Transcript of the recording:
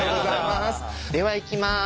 ではいきます。